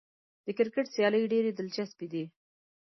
د کرکټ سیالۍ ډېرې دلچسپې دي.